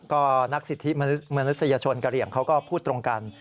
ก็นักสิทธิมนุษยชนกะเหลี่ยงเขาก็พูดตรงกัน